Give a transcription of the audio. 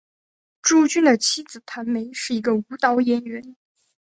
朱军的妻子谭梅是一个舞蹈演员。